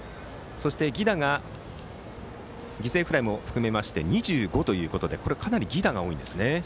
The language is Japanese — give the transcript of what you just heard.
そして、犠打が犠牲フライも含めまして２５ということでかなり犠打が多いんですね。